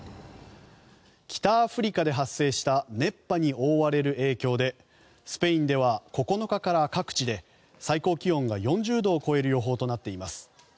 北アフリカで発生した熱波に覆われる影響でスペインでは９日から各地で最高気温が４０度を超える予報となっています。